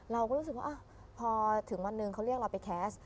เราก็รู้สึกว่าพอถึงวันหนึ่งเขาเรียกเราไปแคสต์